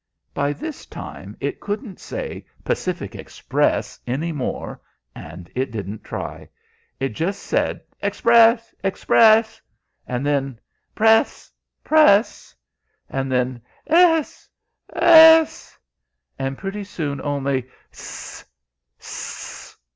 By this time it couldn't say 'Pacific Express' any more, and it didn't try. It just said 'Express! Express!' and then ''Press! 'Press!' and then ''Ess! 'Ess!' and pretty soon only ''Ss! 'Ss!'